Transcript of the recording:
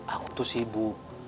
aku tuh sibuk